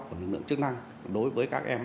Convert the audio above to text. của lực lượng chức năng đối với các em